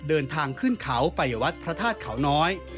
เดินทางขึ้นเขาไปวัดพระธาตุเขาน้อย